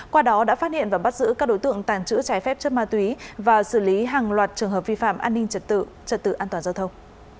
qua đó đã phát hiện và bắt giữ các đối tượng tàng trữ trái phép chất ma túy và xử lý hàng loạt trường hợp vi phạm an ninh trật tự trật tự an toàn giao thông